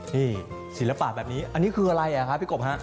นี่ศิลปะแบบนี้อันนี้คืออะไรอ่ะครับพี่กบฮะ